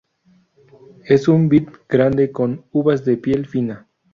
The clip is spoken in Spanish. Es una vid grande, con uvas de piel fina.